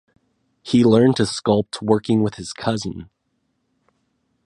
He learned to sculpt working with his cousin.